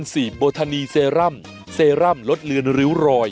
เซรั่มเซรั่มลดเลือนริ้วรอย